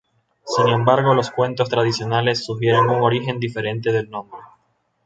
Sin embargo, los cuentos tradicionales sugieren un origen diferente del nombre.